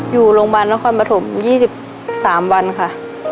อยู่โรงพยาบาลนครปฐม๒๓วันค่ะ